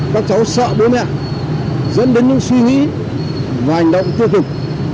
các cháu sợ bố mẹ dẫn đến những suy nghĩ và hành động tiêu cực